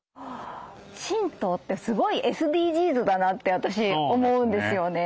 神道ってすごいＳＤＧｓだなって私思うんですよね。